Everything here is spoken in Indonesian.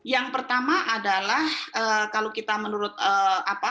yang pertama adalah kalau kita menurut apa